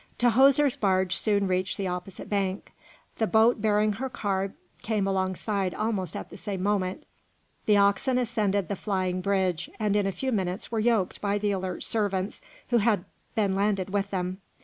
Tahoser's barge soon reached the opposite bank. The boat bearing her car came alongside almost at the same moment. The oxen ascended the flying bridge, and in a few minutes were yoked by the alert servants who had been landed with them.